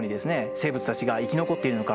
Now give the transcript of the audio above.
生物たちが生き残っているのか。